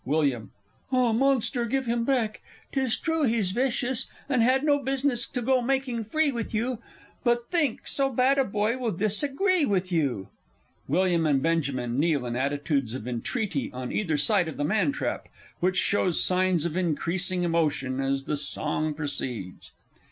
_ Wm. Ah, Monster, give him back 'tis true he's vicious, And had no business to go making free with you! But think, so bad a boy will disagree with you! [WILLIAM and BENJAMIN kneel in attitudes of entreaty on either side of the Man trap, _which shows signs of increasing emotion as the song proceeds.